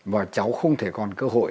và cháu không thể còn cơ hội